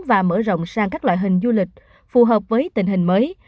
và mở rộng sang các loại hình du lịch phù hợp với tình hình mới